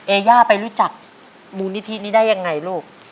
อย่าไปรู้จักมูลนิธินี้ได้ยังไงลูก